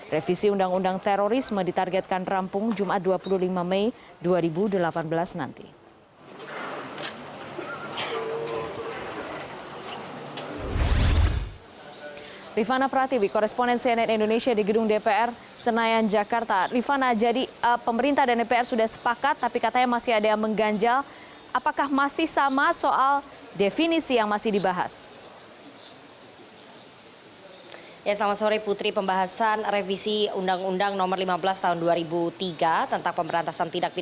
revisi undang undang terorisme ditargetkan rampung jumat dua puluh lima mei dua ribu delapan belas nanti